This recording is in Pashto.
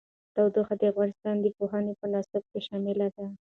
تودوخه د افغانستان د پوهنې په نصاب کې شامل دي.